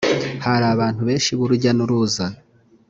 hari abantu benshi b’urujya n’ uruza